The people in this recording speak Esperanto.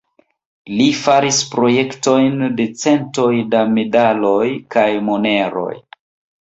Li faris projektojn de centoj da medaloj kaj moneroj.